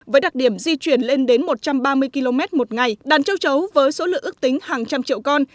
với đặc điểm di chuyển lên đến một trăm ba mươi km một ngày đàn châu chấu với số lượng ước tính hàng trăm triệu con